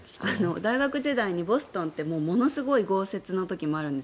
大学時代にボストンってものすごく豪雪の時もあるんです。